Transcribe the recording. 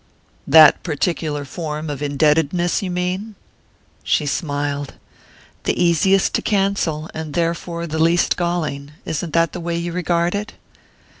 "That particular form of indebtedness, you mean?" She smiled. "The easiest to cancel, and therefore the least galling; isn't that the way you regard it?"